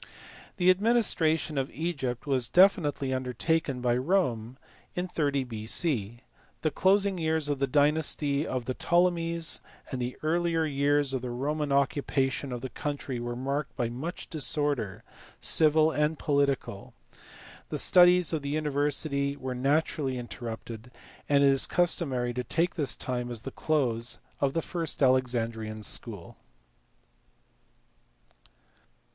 The administration of Egypt was definitely undertaken by Rome in 30 B.C. The closing years of the dynasty of the Ptolemies and the earlier years of the Roman occupation of the country were marked by much disorder, civil and political. The studies of the university were naturally interrupted, and it is customary to take this time as the close of the first Alexandrian school.